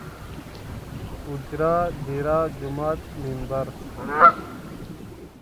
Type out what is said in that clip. اوجره ، ديره ،جومات ،ممبر